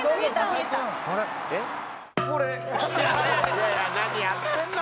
いやいや何やってんの！